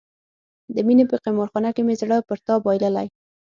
د مینې په قمار خانه کې مې زړه پر تا بایللی.